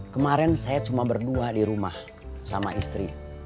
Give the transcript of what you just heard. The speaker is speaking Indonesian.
kemarin saya cuma berdua di rumah sama istri